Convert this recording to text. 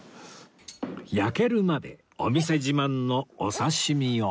焼けるまでお店自慢のお刺し身を